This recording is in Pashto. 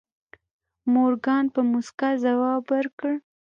مورګان په موسکا ځواب ورکړ.